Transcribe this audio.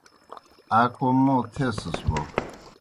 آ کوْم موں تھیسِس بوْ